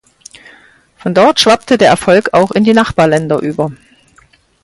Von dort schwappte der Erfolg auch in die Nachbarländer über.